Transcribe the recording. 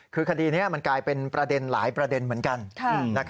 คือคดีนี้มันกลายเป็นประเด็นหลายประเด็นเหมือนกัน